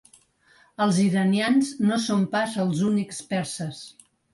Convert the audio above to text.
Els iranians no són pas els únics perses.